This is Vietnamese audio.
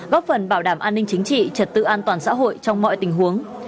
góp phần bảo đảm an ninh chính trị trật tự an toàn xã hội trong mọi tình huống